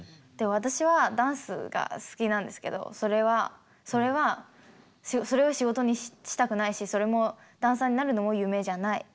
私はダンスが好きなんですけどそれを仕事にしたくないしダンサーになるのも夢じゃない。